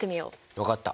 わかった。